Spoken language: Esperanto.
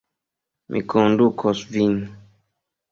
Mi kondukos vin.